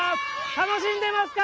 楽しんでますか？